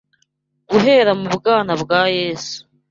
Guhera mu bwana bwa Yesu